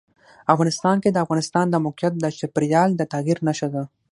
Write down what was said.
افغانستان کې د افغانستان د موقعیت د چاپېریال د تغیر نښه ده.